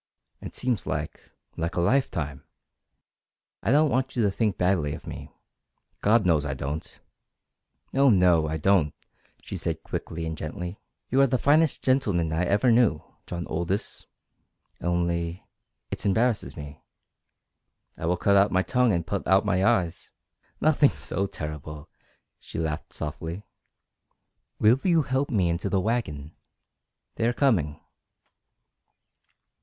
It seems like like a lifetime. I don't want you to think badly of me. God knows I don't!" "No, no. I don't," she said quickly and gently. "You are the finest gentleman I ever knew, John Aldous. Only it embarrasses me." "I will cut out my tongue and put out my eyes " "Nothing so terrible," she laughed softly. "Will you help me into the wagon? They are coming."